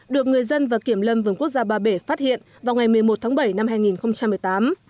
được người dân và kiểm lâm vườn quốc gia ba bể phát hiện vào ngày một mươi một tháng bảy năm hai nghìn một mươi tám